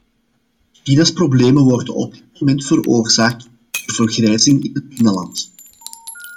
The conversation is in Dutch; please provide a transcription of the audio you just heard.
China's problemen worden op dit moment veroorzaakt door vergrijzing in het binnenland.